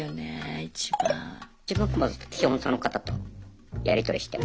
自分は基本その方とやり取りして。